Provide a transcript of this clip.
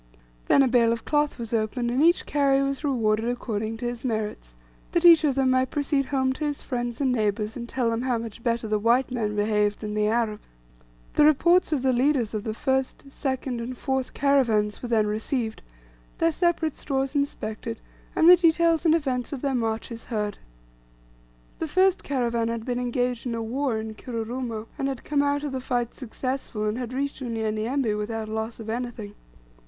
Then a bale of cloth was opened, and each carrier was rewarded according to his merits, that each of them might proceed home to his friends and neighbours, and tell them how much better the white man behaved than the Arabs. The reports of the leaders of the first, second, and fourth caravans were then received, their separate stores inspected, and the details and events of their marches heard. The first caravan had been engaged in a war at Kirurumo, and had come out of the fight successful, and had reached Unyanyembe without loss of anything.